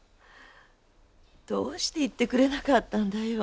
どうして言ってくれなかったんだよ。